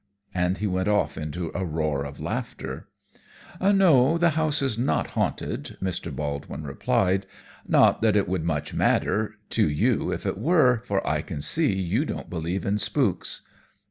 And he went off into a roar of laughter. "No, the house is not haunted," Mr. Baldwin replied. "Not that it would much matter to you if it were, for I can see you don't believe in spooks."